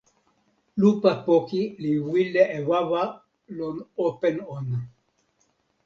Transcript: lupa poki li wile e wawa lon open ona.